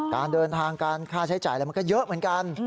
การเดินทางการค่าใช้จ่ายอะไรมันก็เยอะเหมือนกัน